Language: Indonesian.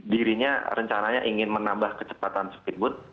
dirinya rencananya ingin menambah kecepatan speedboat